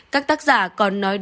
các tác giả còn nói rằng